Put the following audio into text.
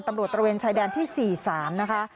ตระเวนชายแดนที่๔๓นะคะ